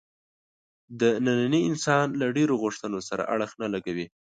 د ننني انسان له ډېرو غوښتنو سره اړخ نه لګوي.